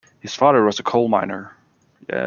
His father was a coal miner.